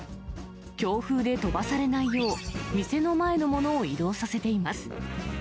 強風で飛ばされないよう、店の前の物を移動させています。